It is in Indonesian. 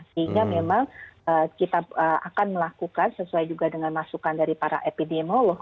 sehingga memang kita akan melakukan sesuai juga dengan masukan dari para epidemiolog